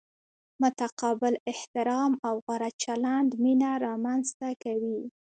متقابل احترام او غوره چلند مینه را منځ ته کوي.